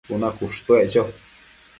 cuna cushtuec cho